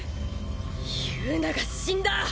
友奈が死んだ。